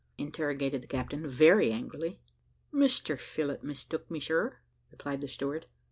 interrogated the captain, very angrily. "Mr Phillott mistook me, sir," replied the steward.